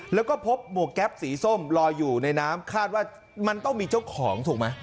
แล้วก็พบหมวกแก๊ปสีส้มลอยอยู่ในน้ำคาดว่ามันต้องมีเจ้าของถูกไหม